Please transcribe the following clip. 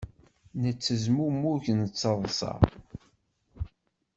Nettezmumug nettaḍsa.